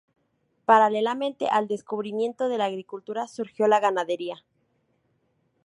Paralelamente al descubrimiento de la agricultura, surgió la ganadería.